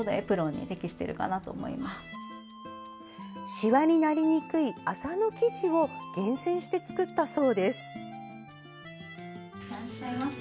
しわになりにくい麻の生地を厳選して作ったそうです。